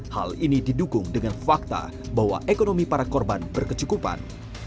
hal ini didukung dengan fakta bahwa ekonomi para korban berkecukupan